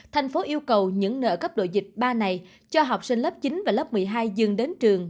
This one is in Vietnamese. thành phố yêu cầu những nợ cấp độ dịch ba này cho học sinh lớp chín và lớp một mươi hai dương đến trường